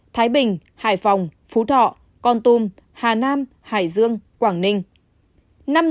thái bình hải phòng phú thọ con tum hà nam hải dương quảng ninh